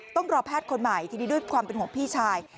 ต้องรอแพทย์คนใหม่ทีนี้ด้วยความเป็นห่วงพี่ชาย